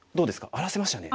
荒らせましたね。